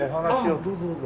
あっどうぞどうぞ。